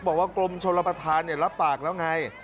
บอกว่ากลุ่มชนประทานเนี่ยรับปากแล้วไง